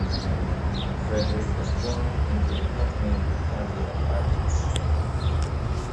Frederick was born into the Cotman family of artists.